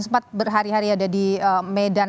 sempat berhari hari ada di medan